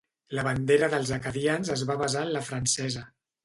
La bandera dels acadians es va basar en la francesa.